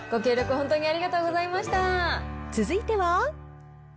本当にありがとうござ続いては。